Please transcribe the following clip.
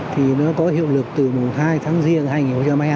thì nó có hiệu lực từ mùa hai tháng riêng hai nghìn hai mươi hai